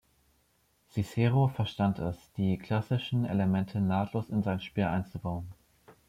Cicero verstand es, die klassischen Elemente nahtlos in sein Spiel einzubauen.